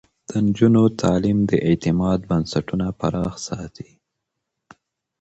د نجونو تعليم د اعتماد بنسټونه پراخ ساتي.